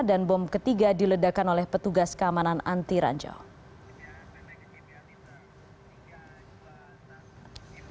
dan bom ketiga diledakan oleh petugas keamanan anti ranjau